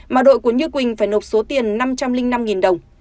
mà đội của như quỳnh phải nộp số tiền năm trăm linh năm đồng